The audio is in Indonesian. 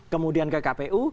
kemudian ke kpu